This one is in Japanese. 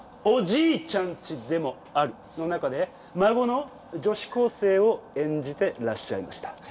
「“おじいちゃんち”でもある」の中で孫の女子高生を演じてらっしゃいました。